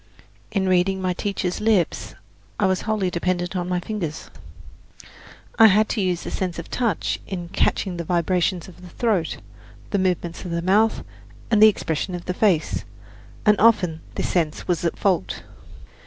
In reading my teacher's lips I was wholly dependent on my fingers: I had to use the sense of touch in catching the vibrations of the throat, the movements of the mouth and the expression of the face; and often this sense was at fault.